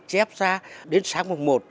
chép ra đến sáng mùa một